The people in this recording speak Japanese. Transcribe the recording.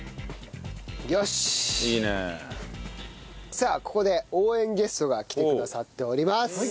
さあここで応援ゲストが来てくださっております。